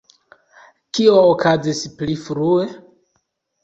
Kio okazis pli frue?